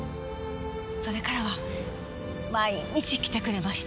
それからは毎日来てくれました。